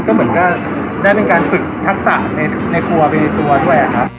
ก็เหมือนก็ได้เป็นการฝึกทักษะในครัวไปในตัวด้วยครับ